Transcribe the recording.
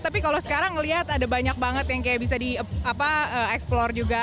tapi kalau sekarang melihat ada banyak banget yang bisa di eksplor juga